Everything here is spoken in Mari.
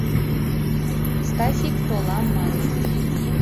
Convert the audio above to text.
Стасик толам мане.